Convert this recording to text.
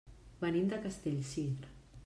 Venim de Castellcir.